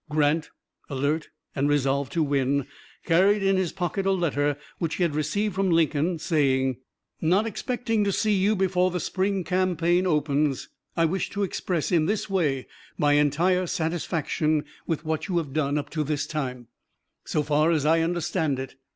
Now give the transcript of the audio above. Grant, alert and resolved to win, carried in his pocket a letter which he had received from Lincoln, saying: Not expecting to see you before the spring campaign opens, I wish to express in this way my entire satisfaction with what you have done up to this time, so far as I understand it.